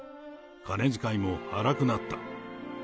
金遣いも荒くなった。